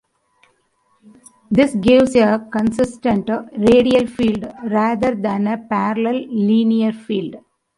This gives a consistent radial field, rather than a parallel linear field.